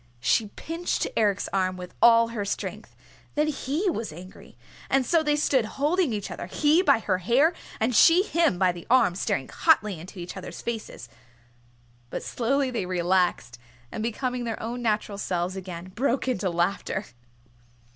She pinched Eric's arm with all her strength. Then he was angry. And so they stood holding each other, he her by the hair, and she him by the arm, staring hotly into each other's faces. But slowly they relaxed, and becoming their own natural selves again, broke into laughter.